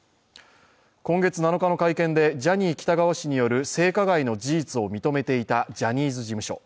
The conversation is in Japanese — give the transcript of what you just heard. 今月７日の会見でジャニー喜多川氏による性加害の事実を認めていたジャニーズ事務所。